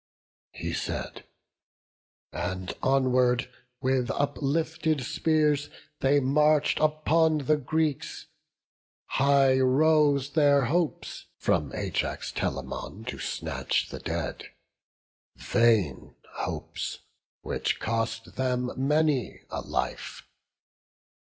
He said; and onward, with uplifted spears, They march'd upon the Greeks; high rose their hopes From Ajax Telamon to snatch the dead; Vain hopes, which cost them many a life!